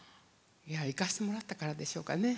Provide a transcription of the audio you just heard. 生かしてもらったからでしょうね。